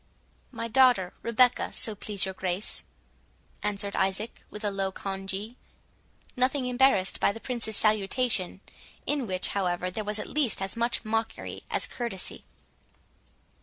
"My daughter Rebecca, so please your Grace," answered Isaac, with a low congee, nothing embarrassed by the Prince's salutation, in which, however, there was at least as much mockery as courtesy.